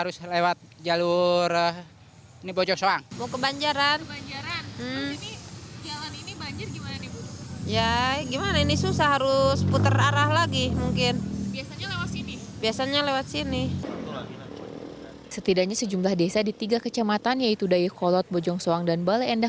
setidaknya sejumlah desa di tiga kecamatan yaitu dayakolot bojongsoang dan baleendah